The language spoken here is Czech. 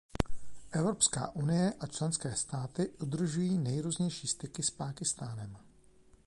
Evropská unie a členské státy udržují nejrůznější styky s Pákistánem.